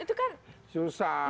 itu kan susah